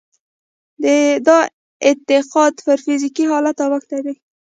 دا اعتقاد پر فزيکي حالت اوښتی دی.